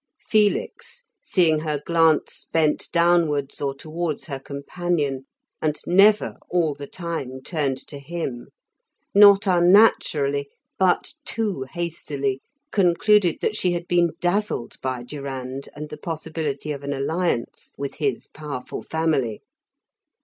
Felix, seeing her glance bent downwards or towards her companion, and never all the time turned to him, not unnaturally, but too hastily, concluded that she had been dazzled by Durand and the possibility of an alliance with his powerful family.